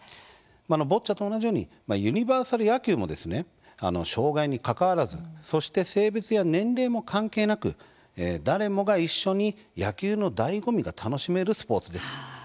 ボッチャと同じようにユニバーサル野球も障害にかかわらずそして性別や年齢も関係なく誰もが一緒に野球のだいご味が楽しめるスポーツです。